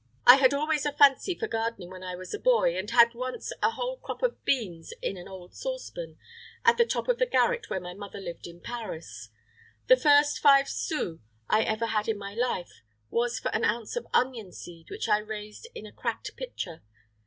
I had always a fancy for gardening when I was a boy, and had once a whole crop of beans in an old sauce pan, on the top of the garret where my mother lived in Paris. The first five sous I ever had in my life was for an ounce of onion seed which I raised in a cracked pitcher.